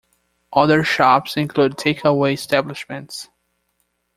Other shops include takeaway establishments.